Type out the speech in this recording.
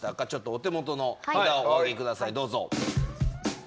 お手元の札をお挙げください。